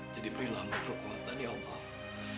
jadi berilah mu kekuatan ya allah